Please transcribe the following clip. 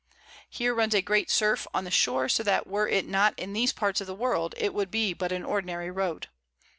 Here runs a great Surf on the Shore, so that were it not in these Parts of the World, it would be but an ordinary Road.